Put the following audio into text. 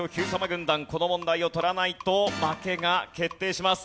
軍団この問題を取らないと負けが決定します。